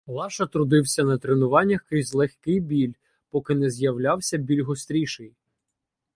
Лаша трудився на тренуваннях крізь легкий біль, поки не з'являвся біль гостріший.